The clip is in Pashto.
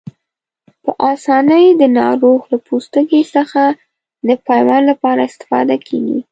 په آسانۍ د ناروغ له پوستکي څخه د پیوند لپاره استفاده کېږي.